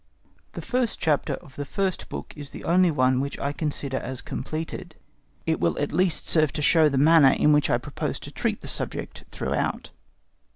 The first chapter of the first book is the only one which I consider as completed; it will at least serve to show the manner in which I proposed to treat the subject throughout.